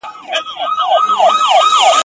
قربانۍ ته ساده ګان له حده تېر وي ..